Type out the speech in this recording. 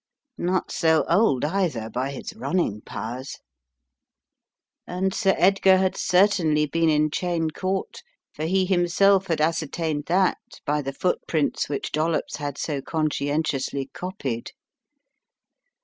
Not so old, either, by his running powers." And Sir Edgar had cer tainly been in Cheyne Court for he himself had as certained that by the footprints which Dollops had so conscientiously copied.